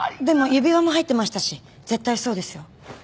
でも指輪も入ってましたし絶対そうですよ。